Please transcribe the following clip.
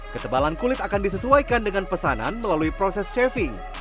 ketebalan kulit akan disesuaikan dengan pesanan melalui proses saving